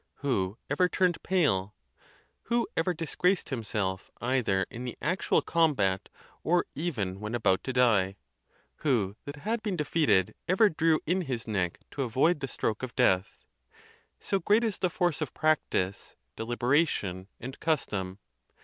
who ever turned pale? who ever disgraced himself either in the actual combat, or even when about to die? who that had been defeated ever drew in his neck to avoid the stroke of death? So great is the force of practice, deliberation, and custom!